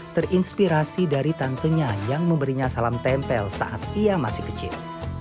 terinspirasi dari tantenya yang memberinya salam tempel saat ia masih kecil